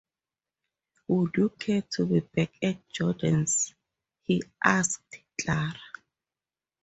“Would you care to be back at Jordan’s?” he asked Clara.